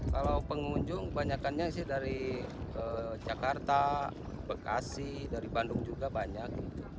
kalau pengunjung kebanyakannya sih dari jakarta bekasi dari bandung juga banyak